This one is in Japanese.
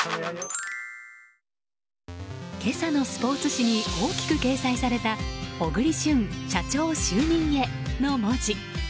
今朝のスポーツ紙に大きく掲載された「小栗旬社長就任へ」の文字。